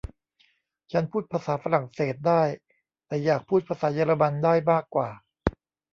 ฉันพูดภาษาฝรั่งเศสได้ แต่อยากพูดภาษาเยอรมันได้มากกว่า